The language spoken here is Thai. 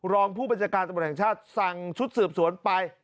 รองผู้บริษัการณ์ตบริษัทสั่งชุดสืบสวนไป